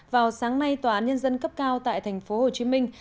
vào sáng nay tòa án nhân dân cấp cao tại thành phố hồ chí minh